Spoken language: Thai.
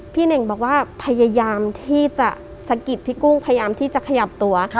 เน่งบอกว่าพยายามที่จะสะกิดพี่กุ้งพยายามที่จะขยับตัวค่ะ